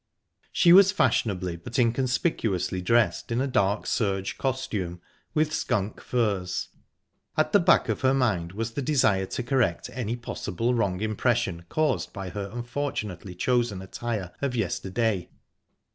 She was fashionably but inconspicuously dressed in a dark serge costume, with skunk furs; at the back of her mind was the desire to correct any possible wrong impression caused by her unfortunately chosen attire of yesterday.